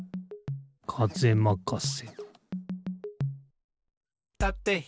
かぜまかせ。